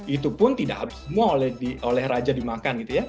itu pun tidak semua oleh raja dimakan